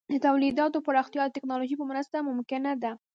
د تولیداتو پراختیا د ټکنالوژۍ په مرسته ممکنه ده.